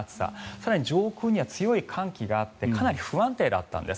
更に上空には強い寒気があってかなり不安定だったんです。